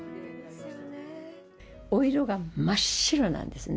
お色が真っ白なんですね。